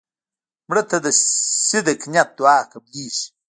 مړه ته د صدق نیت دعا قبلیږي